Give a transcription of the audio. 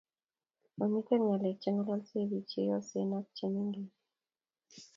Mamiten ngalek chengololse biik cheyosen ak chemengech